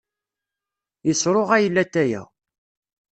Yesruɣay latay-a.